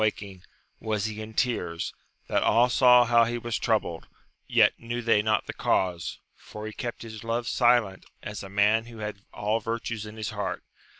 255 waking, was he in tears, that all saw how he was troubled, yet knew they not the cause, for he kept his love silent, as a man who had all virtues in his heart.